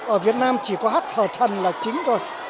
ở việt nam chỉ có hát thở thần là chính thôi